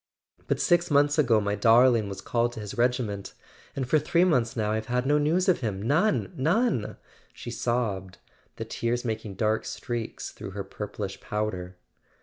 "But six months ago my darling was called to his regiment—and for three months now I've had no news of him, none, none! " she sobbed, the tears making dark streaks through her purplish powder.